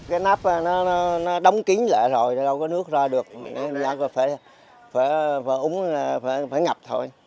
cái nắp nó đóng kín lại rồi đâu có nước ra được nên là phải uống phải ngập thôi